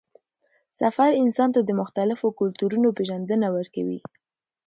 سفر انسان ته د مختلفو کلتورونو پېژندنه ورکوي